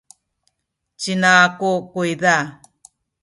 ci ina aku kuyza